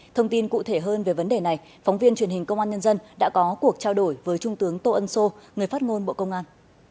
thông tin cụ thể hơn về vấn đề này phóng viên truyền hình công an nhân dân đã có cuộc trao đổi với trung tướng tô ân sô người phát ngôn bộ công an